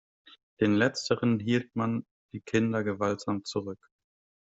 Den Letzteren hielt man die Kinder gewaltsam zurück.